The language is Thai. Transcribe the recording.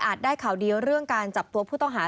ได้ข่าวดีเรื่องการจับตัวผู้ต้องหา